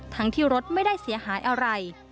ทั้งที่รถไม่ได้เสียหายอะไร